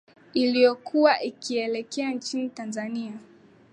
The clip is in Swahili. iliokuwa ikielekea nchini tanzania